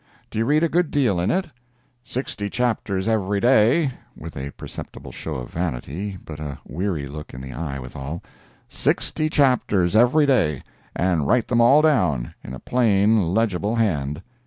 "Do you read a good deal in it?" "Sixty chapters every day (with a perceptible show of vanity, but a weary look in the eye withal)—sixty chapters every day, and write them all down in a plain, legible hand."